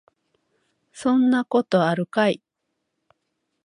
そんなことあるかい